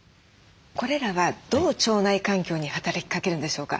これらはどう腸内環境に働きかけるんでしょうか？